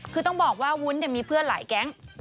คือต้องบอกว่าวุ้นมีเพื่อนหลายแก๊ง